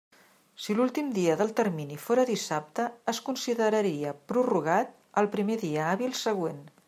Si l'últim dia del termini fóra dissabte, es consideraria prorrogat al primer dia hàbil següent.